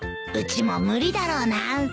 うちも無理だろうな